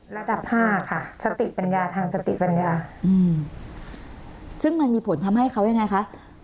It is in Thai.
ระดับห้าค่ะสติปัญญาทางสติปัญญาอืมซึ่งมันมีผลทำให้เขายังไงคะ